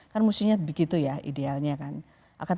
kan mestinya begitu ya idealnya kan